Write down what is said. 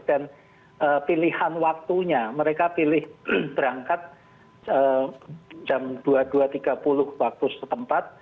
dan pilihan waktunya mereka pilih berangkat jam dua tiga puluh waktu setempat